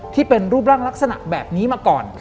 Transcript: ที่เป็นรูปร่างลักษณะแบบนี้มาก่อน